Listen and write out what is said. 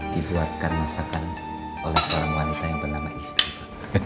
dibuatkan masakan oleh seorang wanita yang bernama istri